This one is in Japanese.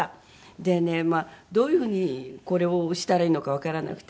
でねどういう風にこれをしたらいいのかわからなくて。